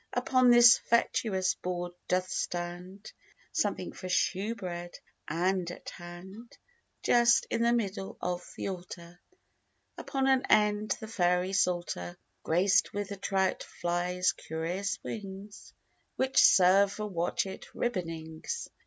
Upon this fetuous board doth stand Something for shew bread, and at hand (Just in the middle of the altar) Upon an end, the Fairy psalter, Graced with the trout flies' curious wings, Which serve for watchet ribbonings.